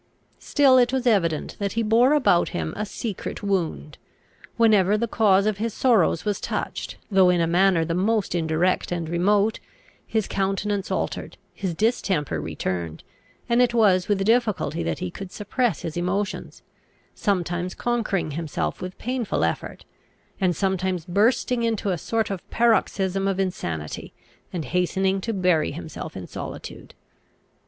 Still it was evident that he bore about him a secret wound. Whenever the cause of his sorrows was touched, though in a manner the most indirect and remote, his countenance altered, his distemper returned, and it was with difficulty that he could suppress his emotions, sometimes conquering himself with painful effort, and sometimes bursting into a sort of paroxysm of insanity, and hastening to bury himself in solitude.